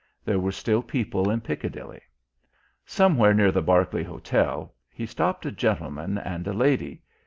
There were still people in Piccadilly. Somewhere near the Berkeley Hotel he stopped a gentleman and a lady.